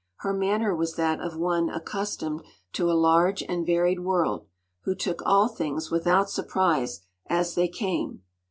Her manner was that of one accustomed to a large and varied world, who took all things without surprise, as they came.